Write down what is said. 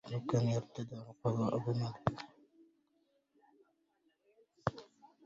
لو كان يرتدع القضاء بمردع